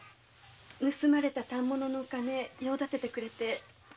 盗まれた反物のお金を用立ててくれてその支払いに。